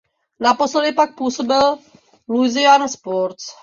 Naposledy pak působil v Lausanne Sports.